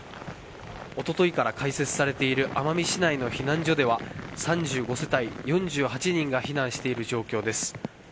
おとといから開設されている奄美市内の避難所では、３５世帯４８人が避難している状況です。